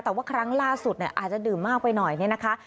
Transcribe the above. แต่ว่าครั้งล่าสุดอาจจะดื่มมากไปหน่อยนะคะ